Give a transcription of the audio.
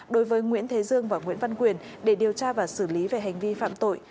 đối với nguyễn thế dương và nguyễn văn quyền để điều tra và xử lý về hành vi phạm tội